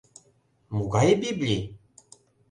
— Могай Библий?